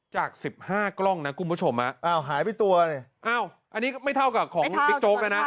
จาก๑๕กล้องนะคุณผู้ชมอ่ะอันนี้ไม่เท่ากับของบิ๊กจ๊กนะนะ